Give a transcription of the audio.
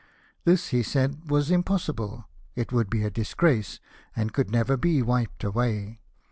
This, he said, was impossible — it would be a disgrace that could never be wiped away.